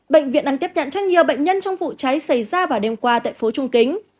bệnh viện đang tiếp nhận cho nhiều bệnh nhân trong vụ cháy xảy ra vào đêm qua tại phố trung kính